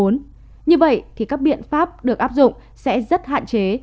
như vậy thì các biện pháp được áp dụng sẽ rất hạn chế